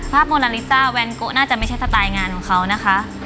โมนาลิซ่าแวนโกน่าจะไม่ใช่สไตล์งานของเขานะคะ